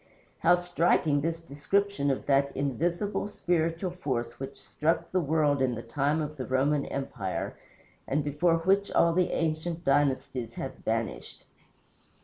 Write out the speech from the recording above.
How striking this description of that invisible, spiritual force which struck the world in the time of the Roman empire, and before which all the ancient dynasties have vanished!